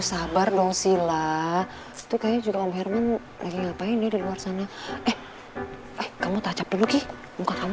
sabar dong sila itu kayaknya juga om herman lagi ngapain ya di luar sana